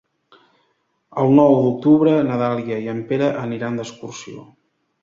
El nou d'octubre na Dàlia i en Pere aniran d'excursió.